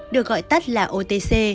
được gọi tắt là otc